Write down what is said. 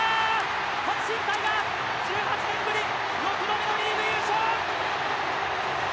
阪神タイガース、１８年ぶり６度目のリーグ優勝！